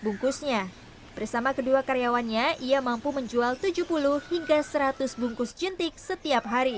bungkusnya bersama kedua karyawannya ia mampu menjual tujuh puluh hingga seratus bungkus jentik setiap hari